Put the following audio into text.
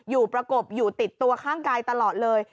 ประกบอยู่ติดตัวข้างกายตลอดเลย